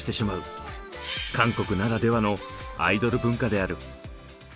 韓国ならではのアイドル文化である。